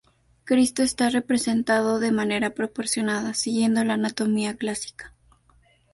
Cristo está representado de manera proporcionada, siguiendo la anatomía clásica.